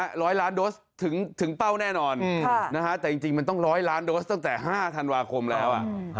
ร้อยล้านโดสถึงเป้าแน่นอนแต่จริงมันต้องร้อยล้านโดสตั้งแต่๕ธันวาคมแล้ว